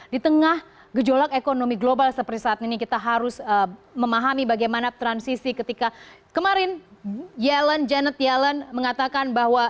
di tengah gejolak ekonomi global seperti saat ini kita harus memahami bagaimana transisi ketika kemarin yellen janet yellen mengatakan bahwa